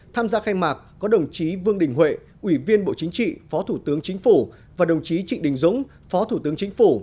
tham gia khai mạc có đồng chí vương đình huệ ủy viên bộ chính trị phó thủ tướng chính phủ và đồng chí trịnh đình dũng phó thủ tướng chính phủ